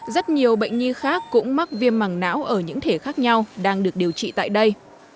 rất nhiều bệnh nhi khác cũng mắc viêm mảng não ở những thể khác nhau đang được điều trị tại đây